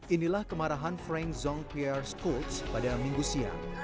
inilah kemarahan frank zonkier skolts pada minggu siang